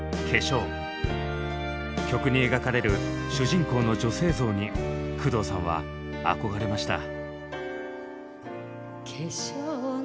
曲に描かれる主人公の女性像に工藤さんは憧れました。